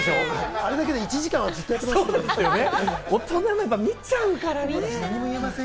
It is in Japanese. あれだけで１時間はやっちゃってますからね。